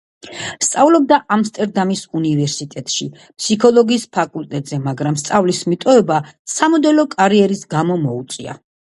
სწავლობდა ამსტერდამის უნივერსიტეტში, ფსიქოლოგიის ფაკულტეტზე, მაგრამ სწავლის მიტოვება სამოდელო კარიერის გამო მოუწია.